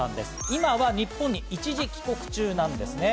今は日本に一時帰国中なんですね。